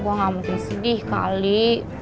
gue nggak mungkin sedih kak ali